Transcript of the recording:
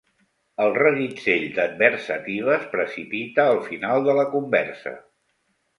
El reguitzell d'adversatives precipita el final de la conversa.